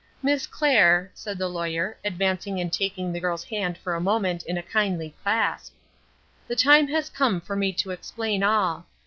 "Miss Clair," said the Lawyer, advancing and taking the girl's hand for a moment in a kindly clasp, "the time has come for me to explain all.